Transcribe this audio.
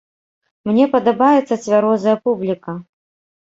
Мне падабаецца цвярозая публіка!